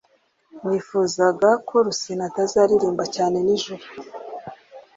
Nifuzaga ko Rusine atazaririmba cyane nijoro